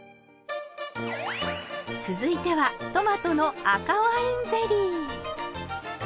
続いてはトマトの赤ワインゼリー。